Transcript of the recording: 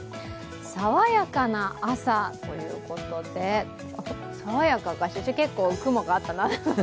爽やかな朝ということで、爽やかかな、結構、雲があったな。